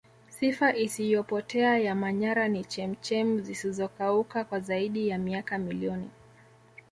sifa isiyopotea ya manyara ni chemchem zisizokauka kwa zaidi ya miaka milioni